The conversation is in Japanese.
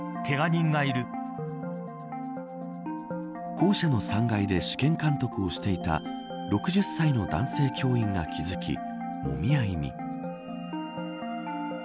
校舎の３階で試験監督をしていた６０歳の男性教員が気付きもみ合いに。